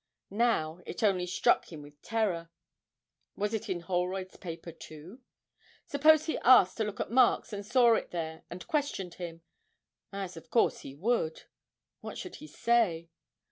Now it only struck him with terror. Was it in Holroyd's paper too? Suppose he asked to look at Mark's, and saw it there, and questioned him, as of course he would! What should he say?